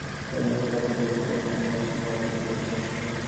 স্বাধীনতার পর থেকে এটি পালিত হয়ে আসছে জাতীয় শহীদ দিবস হিসেবে।